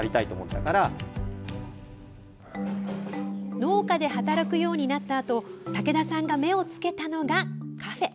農家で働くようになったあと武田さんが目を付けたのがカフェ。